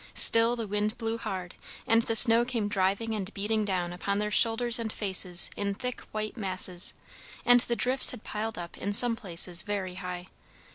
Still the wind blew hard, and the snow came driving and beating down upon their shoulders and faces in thick white masses; and the drifts had piled up in some places very high.